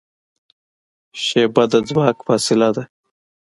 شیبه د ځواک فاصله ده.